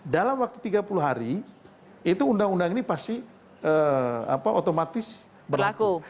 dalam waktu tiga puluh hari itu undang undang ini pasti otomatis berlaku